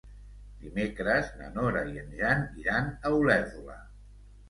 Dimecres na Nora i en Jan iran a Olèrdola.